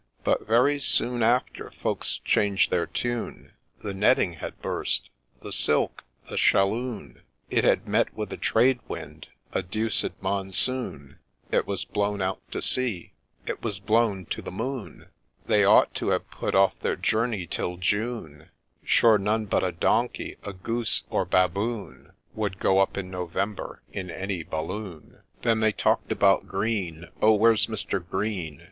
But very soon after folks changed their tune :' The netting had burst — the silk — the shalloon :— It had met with a trade wind — a deuced monsoon — It was blown out to sea — it was blown to the moon — They ought to have put off their journey till June ; Sure none but a donkey, a goose, or baboon Would go up in November in any balloon !' Then they talk'd about Green —' Oh ! where 's Mister Green